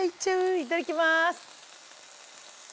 いただきます。